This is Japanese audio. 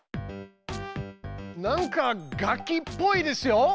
なんか楽器っぽいですよ。